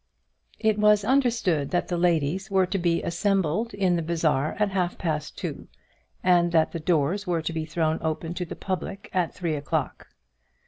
It was understood that the ladies were to be assembled in the bazaar at half past two, and that the doors were to be thrown open to the public at three o'clock.